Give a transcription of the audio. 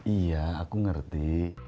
iya aku ngerti